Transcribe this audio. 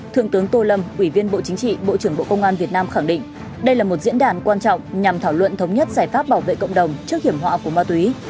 bộ trưởng bộ công an việt nam khẳng định đây là một diễn đàn quan trọng nhằm thảo luận thống nhất giải pháp bảo vệ cộng đồng trước hiểm họa của ma túy